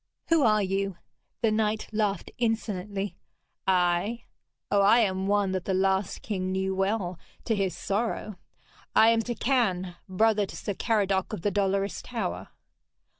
Who are you?' The knight laughed insolently. 'I? Oh, I am one that the last king knew well to his sorrow. I am Turquine, brother to Sir Caradoc of the Dolorous Tower.'